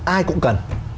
ai cũng cần